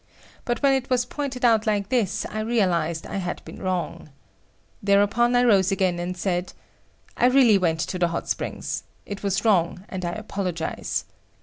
But when it was pointed out like this, I realised that I had been wrong. Thereupon I rose again and said; "I really went to the hot springs. It was wrong and I apologize."